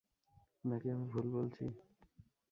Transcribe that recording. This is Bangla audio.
নাকি আমি ভুল বলছি?